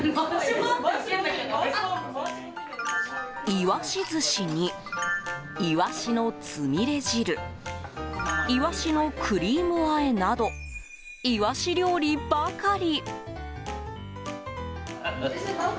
イワシ寿司にイワシのつみれ汁イワシのクリーム和えなどイワシ料理ばかり。